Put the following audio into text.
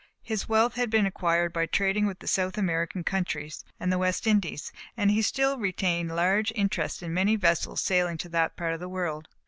His wealth had been acquired by trading with the South American countries, and the West Indies, and he still retained large interest in many vessels sailing to that part of the world.